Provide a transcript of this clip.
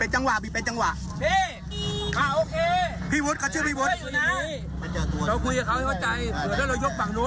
ให้เค้าเกียบ